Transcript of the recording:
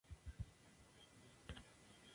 Este documental está distribuido por Shellac Films.